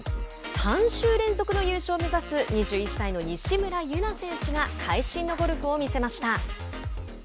３週連続の優勝を目指す２１歳の西村優菜選手が会心のゴルフを見せました。